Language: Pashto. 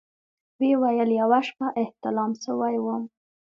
ويې ويل يوه شپه احتلام سوى وم.